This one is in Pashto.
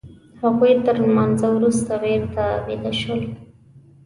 هغوی تر لمانځه وروسته بېرته بيده شول.